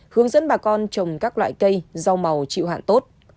hướng dẫn bà con trồng các loại cây rau màu chịu hạn tốt